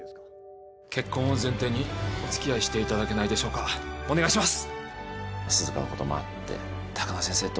結婚を前提におつきあいしていただけないでしょうかお願いします